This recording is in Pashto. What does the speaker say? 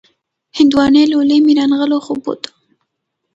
هندواڼۍ لولۍ مې را نغله خوبو ته